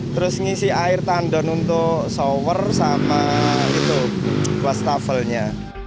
terus ngisi air tandon untuk shower sama wastafelnya